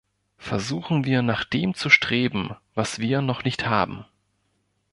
Versuchen wir, nach dem zu streben, was wir noch nicht haben.